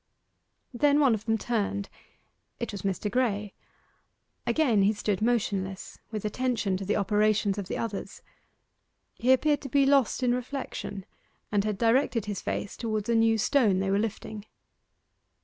Then one of them turned; it was Mr. Graye. Again he stood motionless, with attention to the operations of the others. He appeared to be lost in reflection, and had directed his face towards a new stone they were lifting.